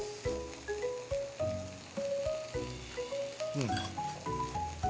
うん。